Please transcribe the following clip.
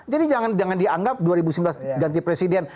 jadi jangan dianggap dua ribu sembilan belas ganti presiden